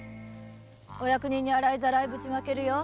お役人に洗いざらいぶちまけるよ。